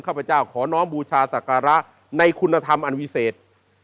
ขพเจ้าขอน้องบูชาศักระในคุณธรรมอันวิเศษ